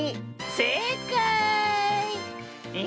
せいかい。